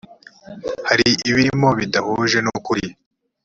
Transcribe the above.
hari ibirimo bidahuje n’ukuri